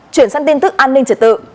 chuyển sang tin tức an ninh trở tự